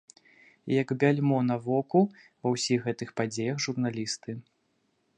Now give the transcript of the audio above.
І як бяльмо на воку ва ўсіх гэтых падзеях журналісты.